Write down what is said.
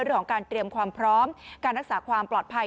เรื่องของการเตรียมความพร้อมการรักษาความปลอดภัย